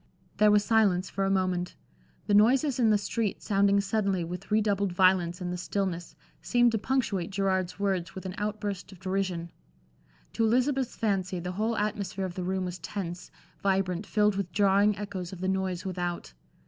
There was silence for a moment. The noises in the street sounding suddenly with redoubled violence in the stillness, seemed to punctuate Gerard's words with an outburst of derision. To Elizabeth's fancy the whole atmosphere of the room was tense, vibrant, filled with jarring echoes of the noise without.